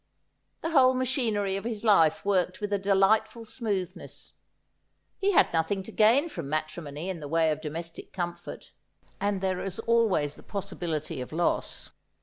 The whole machinery of his life worked with a delightful smooth ness. He had nothing to gain from matrimony in the way of domestic comfort ; and there is always the possibility of loss.